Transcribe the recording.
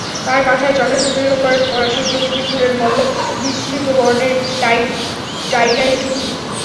তার মাথায় জটাজুটের ওপর পড়া সূর্যমুখী ফুলের মতো বিস্তৃত বর্ণের টাইডাই টুপি।